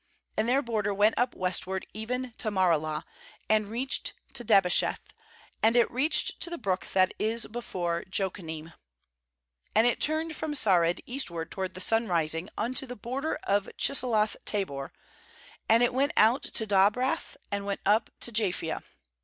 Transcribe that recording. uAnd then* border went up westward, even to Maralah, and reached to Dabbesheth; and it reached to the brook that is before Jokneam. ^And it turned from Sand eastward toward the sunrising unto the border of Chisloth tabor; and it went out to Dobrath, and went up to Japhia.